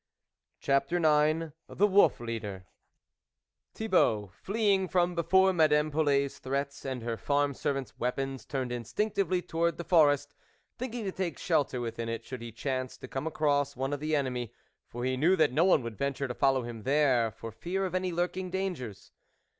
CHAPTER IX THE WOLF LEADER fleeing from before Madame Polet's threats and her farm servants' weapons, turned instinctively to wards the forest, thinking to take shelter within it, should he chance to come across one of the enemy, for he knew that no one would venture to follow him there, for tear of any lurking dangers.